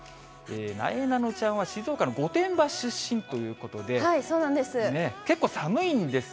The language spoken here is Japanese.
なえなのちゃんは静岡の御殿場出身ということで。